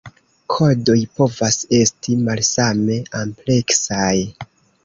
Kodoj povas esti malsame ampleksaj.